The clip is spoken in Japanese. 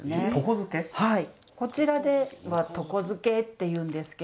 はい。